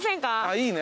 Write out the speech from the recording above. いいね。